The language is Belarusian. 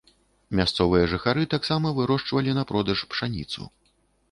Мясцовыя жыхары таксама вырошчвалі на продаж пшаніцу.